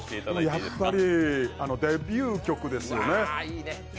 やっぱりデビュー曲ですよね。